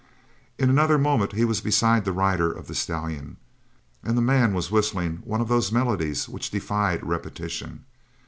In another moment he was beside the rider of the stallion, and the man was whistling one of those melodies which defied repetition.